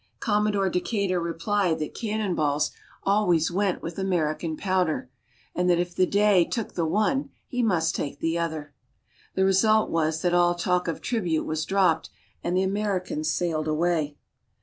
Commodore Decatur replied that cannon balls always went with American powder, and that if the Dey took the one he must take the other. The result was that all talk of tribute was dropped, and the Americans sailed away.